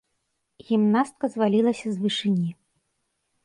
Гімнастка звалілася з вышыні.